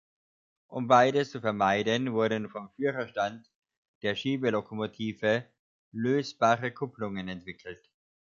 Um beides zu vermeiden, wurden vom Führerstand der Schiebelokomotive lösbare Kupplungen entwickelt.